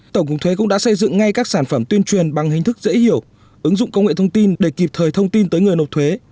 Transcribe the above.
tổng cục thuế cũng đã xây dựng ngay các sản phẩm tuyên truyền bằng hình thức dễ hiểu ứng dụng công nghệ thông tin để kịp thời thông tin tới người nộp thuế